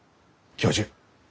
教授